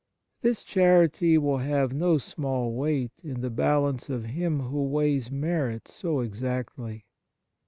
This charity will have no small weight in the balance of Him Who weighs merit so exactly.